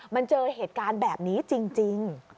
มันเจอเหตุการณ์แบบนี้จริง